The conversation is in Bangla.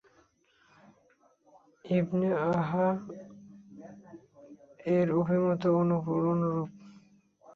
ইবন য়াহয়া-এর অভিমতও অনুরূপ।